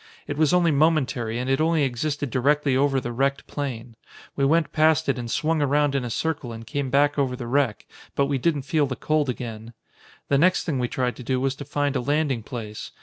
It was only momentary and it only existed directly over the wrecked plane. We went past it and swung around in a circle and came back over the wreck, but we didn't feel the cold again. "The next thing we tried to do was to find a landing place.